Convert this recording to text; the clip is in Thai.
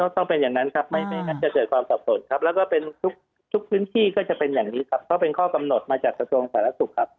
ต้องเป็นอย่างนั้นครับไม่งั้นจะเกิดความสับสนครับแล้วก็เป็นทุกพื้นที่ก็จะเป็นอย่างนี้ครับเพราะเป็นข้อกำหนดมาจากกระทรวงสาธารณสุขครับ